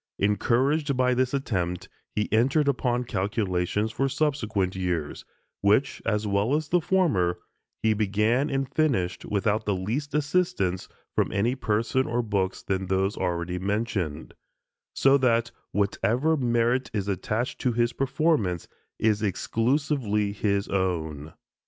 Encouraged by this attempt, he entered upon calculations for subsequent years, which, as well as the former, he began and finished without the least assistance from any person or books than those already mentioned; so that whatever merit is attached to his performance is exclusively his own.